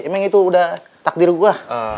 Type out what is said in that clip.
emang itu udah takdir gue